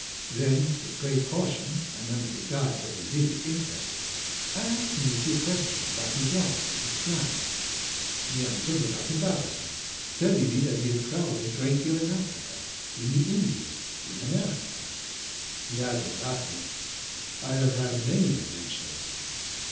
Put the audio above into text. âThen, with great caution and under the guise of a vivid interest, I asked him a few questions about his life and his plans. He answered without embarrassment, telling me that he had travelled a great deal in Africa, in the Indies, in America. He added, laughing: â'I have had many adventures.'